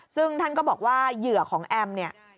ซึ่งท่านก็บอกว่าเหยื่อของแอมเนี่ย